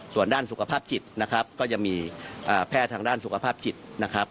ส่วนด้านสุขภาพจิตนะครับก็จะมีแพทย์ทางด้านสุขภาพจิตนะครับ